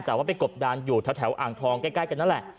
แต่ว่าไปกบดานอยู่แถวอ่างทองใกล้กันนั่นแหละ